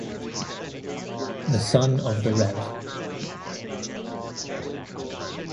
The son of The Rev.